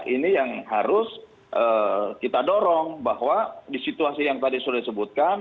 ini yang harus kita dorong bahwa di situasi yang tadi sudah disebutkan